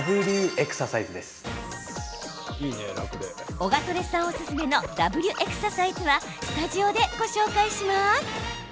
オガトレさんおすすめのＷエクササイズはスタジオでご紹介します。